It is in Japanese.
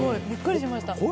びっくりしました。